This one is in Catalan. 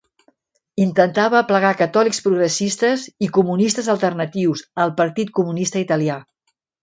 Intentava aplegar catòlics progressistes i comunistes alternatius al Partit Comunista Italià.